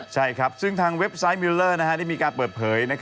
ใช่ครับซึ่งทางเว็บไซต์มิลเลอร์ได้มีการเปิดเผย